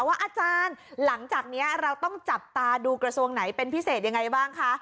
อาจารย์หลังจากนี้เราต้องจับตาดูกระทรวงไหนเป็นพิเศษยังไงบ้างคะ